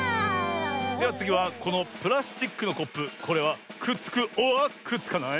ではつぎはこのプラスチックのコップこれはくっつくｏｒくっつかない？